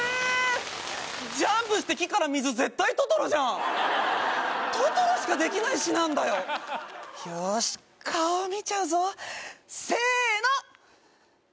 ジャンプして木から水絶対トトロじゃんトトロしかできない至難だよよし顔見ちゃうぞせの！